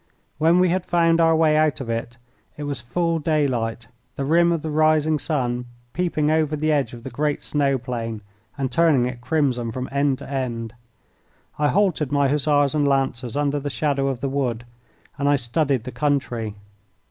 When we had found our way out of it it was full daylight, the rim of the rising sun peeping over the edge of the great snow plain and turning it crimson from end to end. I halted my Hussars and Lancers under the shadow of the wood, and I studied the country.